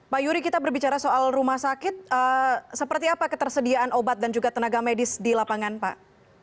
pak yuri kita berbicara soal rumah sakit seperti apa ketersediaan obat dan juga tenaga medis di lapangan pak